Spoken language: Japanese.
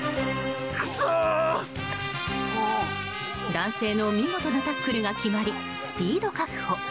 男性の見事なタックルが決まりスピード確保。